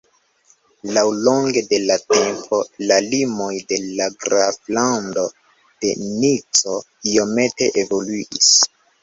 Laŭlonge de la tempo, la limoj de la graflando de Nico iomete evoluis.